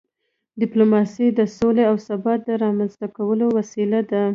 ډیپلوماسي د سولې او ثبات د رامنځته کولو وسیله ده.